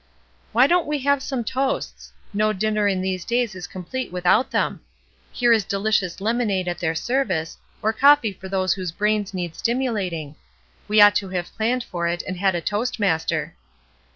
"Why don't we have some toasts ? No dinner in these days is complete without them. Here is delicious lemonade at their service, or coffee for those whose brains need stimulating. We ought to have planned for it and had a toast master."